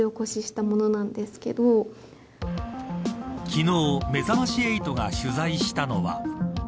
昨日めざまし８が取材したのは。